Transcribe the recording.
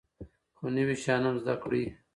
خو نوي شیان هم زده کړئ.